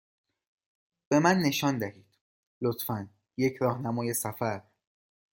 به من نشان دهید، لطفا، یک راهنمای سفر.